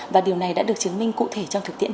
và điều này đã được chứng minh cụ thể trong thực tiễn